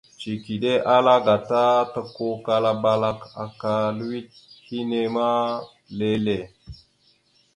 Cikiɗe ala gata takukala balak aka lʉwet hine ma lele.